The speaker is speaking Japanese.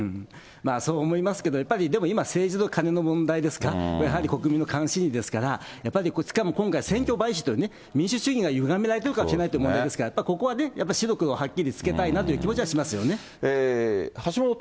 そう思いますけど、やっぱり、でも今、政治とカネの問題ですか、やはり国民の関心事ですから、やっぱり、しかも今回、選挙買収という、民主主義がゆがめられてるかもしれないという問題ですから、やっぱりここはね、白黒はっきりつけたいなという気持ちはしますよね。